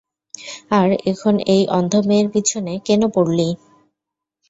আর এখন এই অন্ধ মেয়ের পিছনে কেনো পরলি?